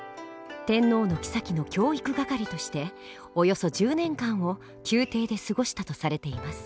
天皇の后の教育係としておよそ１０年間を宮廷で過ごしたとされています。